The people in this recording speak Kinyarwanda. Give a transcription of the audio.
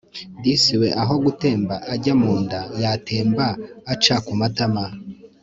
disi we aho gutemba ajya munda yatembye aca ku matama